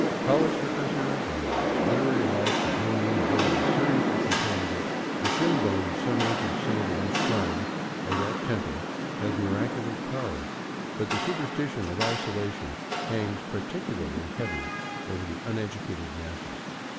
College professors and literary lights of no mean abiHty seriously contend that the shinbone of some saint in this shrine or that " temple '* has miraculous power ; but the superstition of isolation hangs particularly heavy over the uneducated masses.